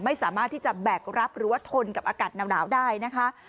ไม่สามารถที่จะแบกรับหรือว่าทนกับอากาศหนาวได้นะคะ